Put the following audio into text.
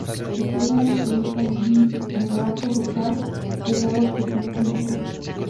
Stefani evita el "vibrato" vocal pesado que utiliza a menudo.